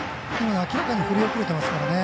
明らかに振り遅れていますからね。